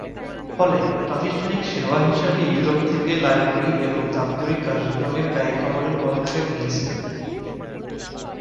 ফলে, প্রাতিষ্ঠানিক সেবা হিসেবে ইউরোপ থেকে লাইব্রেরী এবং দাপ্তরিক কার্যক্রমে ব্যয় কমানোর পদক্ষেপ নিয়েছে।